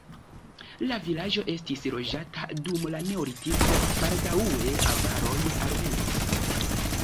La vilaĝo estis loĝata dum la neolitiko, baldaŭe avaroj alvenis.